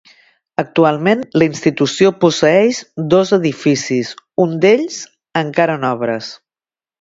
Actualment la institució posseeix dos edificis, un d'ells encara en obres.